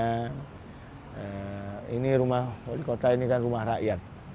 karena ini rumah wali kota ini kan rumah rakyat